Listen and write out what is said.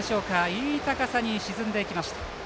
いい高さに沈んでいきました。